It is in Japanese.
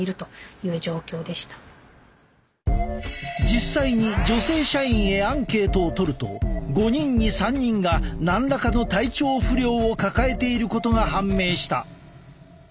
実際に女性社員へアンケートを取ると５人に３人が何らかの体調不良を抱えていることが判明した。